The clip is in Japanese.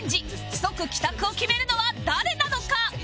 即帰宅を決めるのは誰なのか？